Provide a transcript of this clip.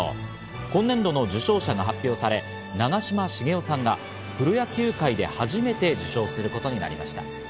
今年度の受章者が発表され、長嶋茂雄さんがプロ野球界で初めて受章することになりました。